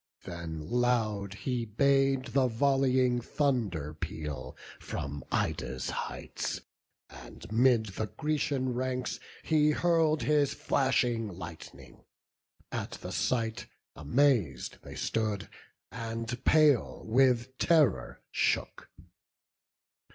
Then loud he bade the volleying thunder peal From Ida's heights; and 'mid the Grecian ranks He hurl'd his flashing lightning; at the sight Amaz'd they stood, and pale with terror shook.